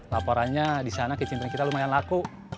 laporannya di sana kekini kita lumayan laku